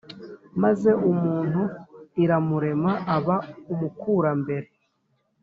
maze umuntu iramurema, aba umukurambere